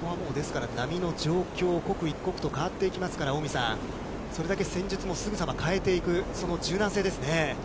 ここはもう、ですから波の状況、刻一刻と変わっていきますから、近江さん、それだけ戦術もすぐさま変えていく、その柔軟性ですね。